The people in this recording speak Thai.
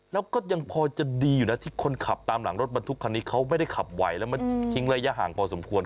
แล้วก็ยังพอจะดีอยู่นะที่คนขับตามหลังรถบรรทุกคันนี้เขาไม่ได้ขับไหวแล้วมันทิ้งระยะห่างพอสมควร